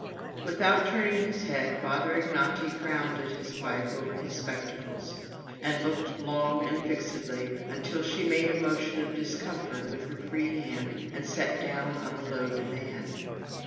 Without turning his head, Father Ignaty frowned at his wife over his spectacles, and looked long and fixedly, until she made a motion of discomfort with her free hand, and sat down on a low divan.